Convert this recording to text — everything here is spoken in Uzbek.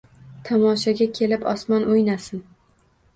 Tomoshaga kelib, osmon o’ynasin.